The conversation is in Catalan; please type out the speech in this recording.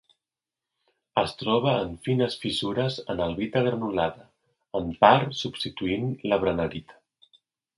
Es troba en fines fissures en albita granulada, en part substituint la brannerita.